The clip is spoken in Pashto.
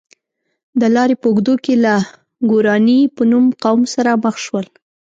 د لارې په اوږدو کې له ګوراني په نوم قوم سره مخ شول.